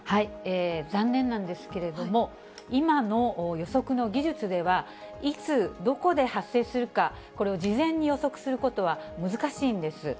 残念なんですけれども、今の予測の技術では、いつ、どこで発生するか、これを事前に予測することは難しいんです。